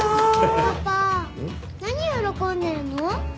パパ何喜んでるの？